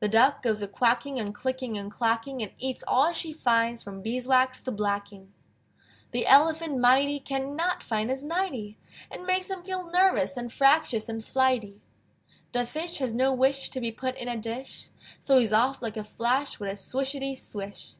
The Duck goes a quacking And clicking and clacking, And eats all she finds From beeswax to blacking. The Elephant mighty Can not find his nighty! It makes him feel nervous, And fractious and flighty. The Fish has no wish To be put in a dish, So he's off like a flash With a swishety swish.